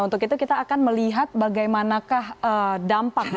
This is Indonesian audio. untuk itu kita akan melihat bagaimanakah dampak